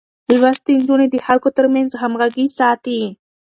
لوستې نجونې د خلکو ترمنځ همغږي ساتي.